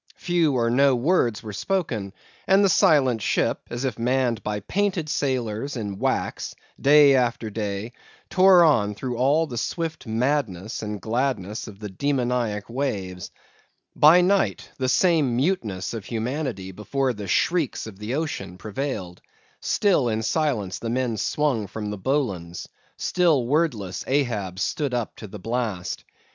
Few or no words were spoken; and the silent ship, as if manned by painted sailors in wax, day after day tore on through all the swift madness and gladness of the demoniac waves. By night the same muteness of humanity before the shrieks of the ocean prevailed; still in silence the men swung in the bowlines; still wordless Ahab stood up to the blast.